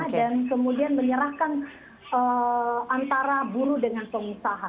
dan kemudian menyerahkan antara buruh dengan pengusaha